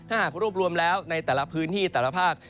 ถ้าหากรวบรวมแล้วในแต่ละพื้นที่แต่ละภาค